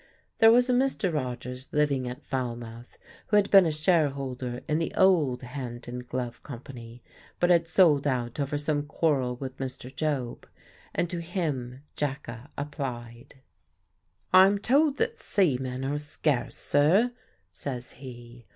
There was a Mr. Rogers living at Falmouth who had been a shareholder in the old "Hand and Glove" company, but had sold out over some quarrel with Mr. Job; and to him Jacka applied. "I'm told that seamen are scarce, sir," says he.